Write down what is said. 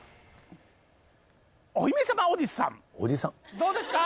どうですか？